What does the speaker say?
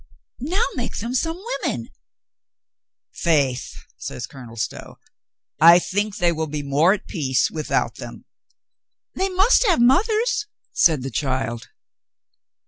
"Now make them some women." "Faith," says Colonel Stow, "I think they will be more at peace without them." "They must have mothers," said the child.